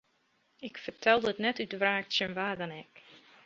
Ik fertel dit net út wraak tsjin wa dan ek.